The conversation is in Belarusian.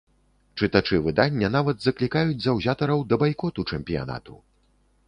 Чытачы выдання нават заклікаюць заўзятараў да байкоту чэмпіянату.